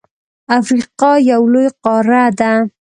افریقا یو لوی قاره ده.